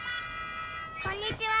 「こんにちは」